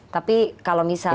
tapi kalau misalnya